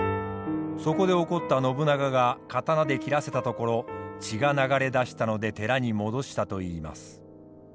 そこで怒った信長が刀で切らせたところ血が流れ出したので寺に戻したといいます。